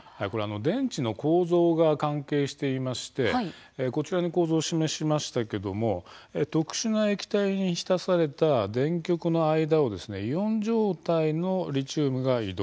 電池の構造が関係していましてこちらに構造を示しましたが特殊な液体に浸された電極の間をイオン状態のリチウムが移動。